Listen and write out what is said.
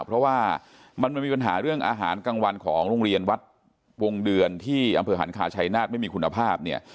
เพราะว่ามันมีปัญหาเรื่องอาหารกลางวันของโรงเรียนวัดวงเดือนที่อำเภอหันคาชัยนาฏไม่มีคุณภาพเนี่ย